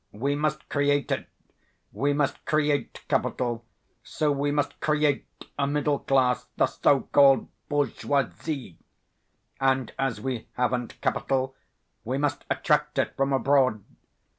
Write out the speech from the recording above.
We must create it. We must create capital, so we must create a middle class, the so called bourgeoisie. And as we haven't capital we must attract it from abroad.